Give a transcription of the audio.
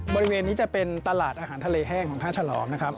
บริเวณนี้จะเป็นตลาดอาหารทะเลแห้งของท่าฉลอมนะครับ